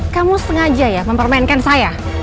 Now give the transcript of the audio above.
kamu sengaja ya mempermainkan saya